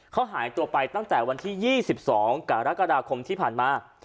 เขาหายตัวไปตั้งแต่วันที่๒๒กรกฎาคมที่ผ่านมา